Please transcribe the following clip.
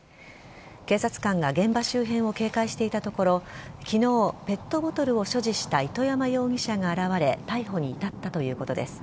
警察官が現場周辺を警戒していたところ昨日、ペットボトルを所持した糸山容疑者が現れ逮捕に至ったということです。